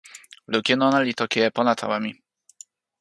lukin ona li toki e pona tawa mi.